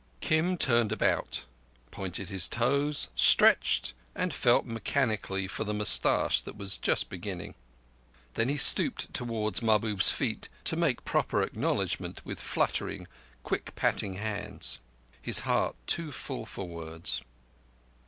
Kim turned about, pointed his toes, stretched, and felt mechanically for the moustache that was just beginning. Then he stooped towards Mahbub's feet to make proper acknowledgment with fluttering, quick patting hands; his heart too full for words.